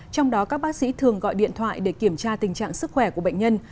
trong đó các bác sĩ thường gọi điện thoại để kiểm tra tình trạng sức khỏe của bệnh nhân